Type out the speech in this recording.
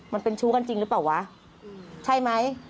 มันเป็นชู้กันจริงหรือเปล่าวะใช่ไหม